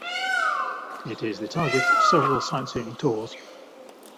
It is the target of several sightseeing tours.